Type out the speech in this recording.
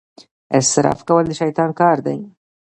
اسراف کول د شیطان کار دی.